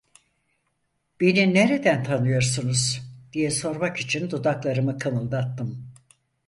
"Beni nereden tanıyorsunuz?" diye sormak için dudaklarımı kımıldattım.